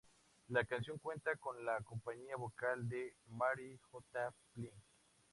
La canción cuenta con la compañía vocal de Mary J. Blige.